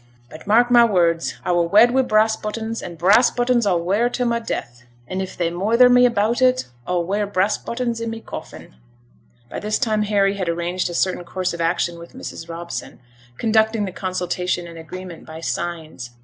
But mark my words; I were wed wi' brass buttons, and brass buttons a'll wear to my death, an' if they moither me about it, a'll wear brass buttons i' my coffin!' By this time Harry had arranged a certain course of action with Mrs Robson, conducting the consultation and agreement by signs.